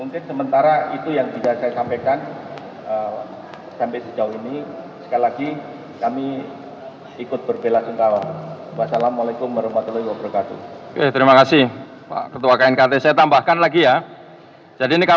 kita perkirakan elt nya bersama pesawatnya